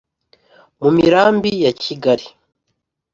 mu mirambi ya kigali